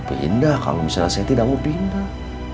pindah kalau misalnya saya tidak mau pindah